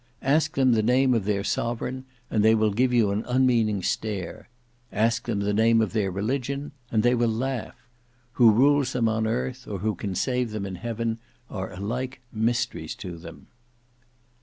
Ask them the name of their sovereign, and they will give you an unmeaning stare; ask them the name of their religion, and they will laugh: who rules them on earth, or who can save them in heaven, are alike mysteries to them.